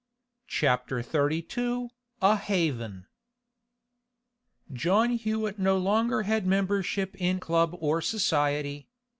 CHAPTER XXXII A HAVEN John Hewett no longer had membership in club or society.